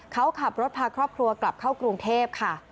เขาขับรถพาครอบครัวกลับเข้ากรุงเทพค่ะ